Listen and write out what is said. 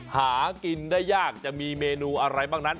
หากินได้ยากจะมีเมนูอะไรบ้างนั้น